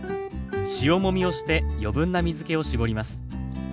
塩もみをして余分な水けを絞ります。